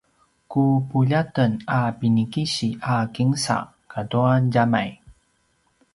ku puljaten a pinikisi a kinsa katua djamay